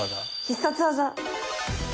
必殺技。